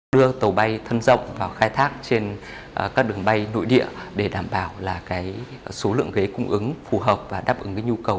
đưa tàu bay thân rộng vào khai thác trên các đường bay nội địa để đảm bảo là số lượng ghế cung ứng phù hợp và đáp ứng cái nhu cầu